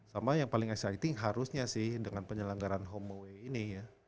sama yang paling exciting harusnya sih dengan penyelenggaran home away ini ya